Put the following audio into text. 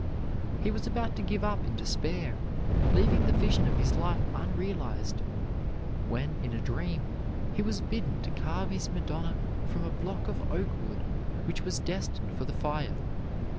He was about to give up in despair, leaving the vision of his life unrealized, when in a dream he was bidden to carve his Madonna from a block of oak wood which was destined for the fire.